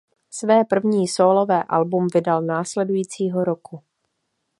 Své první sólové album vydal následujícího roku.